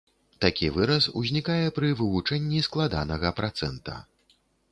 Такі выраз ўзнікае пры вывучэнні складанага працэнта.